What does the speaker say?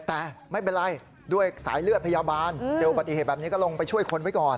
แต่ไม่เป็นไรด้วยสายเลือดพยาบาลเจออุบัติเหตุแบบนี้ก็ลงไปช่วยคนไว้ก่อน